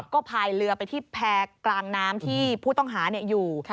ก็พายเรือไปที่แพร่กลางน้ำที่ผู้ต้องหาอยู่